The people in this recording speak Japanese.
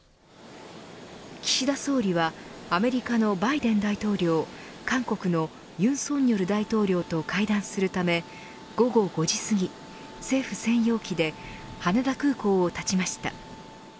岸田総理はアメリカのバイデン大統領韓国の尹錫悦大統領と会談するため午後５時すぎ政府専用機で羽田空港を発ちました。